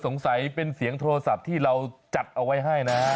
สงสัยเป็นเสียงโทรศัพท์ที่เราจัดเอาไว้ให้นะ